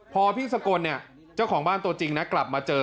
พอพี่สกลเนี่ยเจ้าของบ้านตัวจริงนะกลับมาเจอ